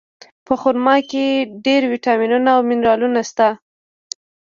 په خرما کې ډېر ویټامینونه او منرالونه شته.